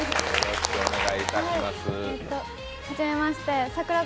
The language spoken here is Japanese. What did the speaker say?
はじめまして櫻坂